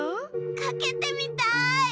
かけてみたい！